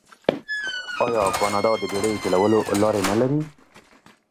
آیا کاناډا د بیړیو چلولو لارې نلري؟